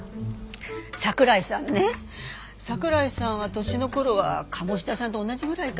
桜井さんね桜井さんは年の頃は鴨志田さんと同じぐらいかな。